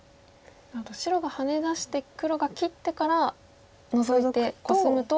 白がハネ出して黒が切ってからノゾいてコスむと。